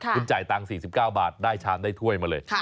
คุณจ่ายตังค์๔๙บาทได้ชามได้ถ้วยมาเลย